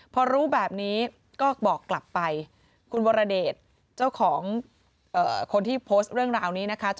พอรู้แบบนี้ก็บอกกลับไปคุณวรเดชเจ้าของคนที่โพสต์เรื่องราวนี้นะคะ